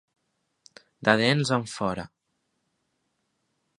De dents enfora.